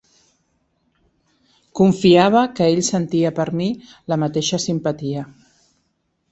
Confiava que ell sentia per mi la mateixa simpatia.